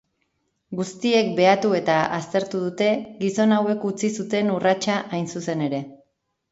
Guztiek behatu eta aztertu dute gizon hauek utzi zuten urratsa hain zuzen ere.